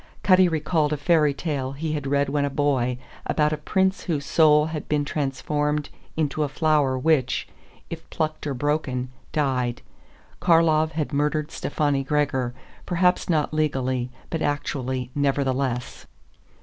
Cutty recalled a fairy tale he had read when a boy about a prince whose soul had been transformed into a flower which, if plucked or broken, died. Karlov had murdered Stefani Gregor, perhaps not legally but actually nevertheless.